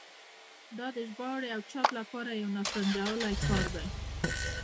دا د ژباړې او چاپ لپاره یو ناسنجولی کار دی.